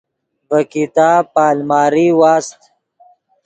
ڤے کتاب پے الماری واست